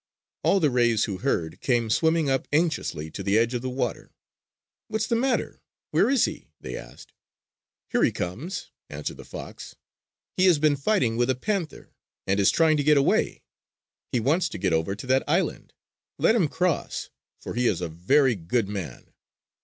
All the rays who heard came swimming up anxiously to the edge of the water. "What's the matter? Where is he?" they asked. "Here he comes!" answered the fox. "He has been fighting with a panther, and is trying to get away! He wants to get over to that island! Let him cross, for he is a very good man!"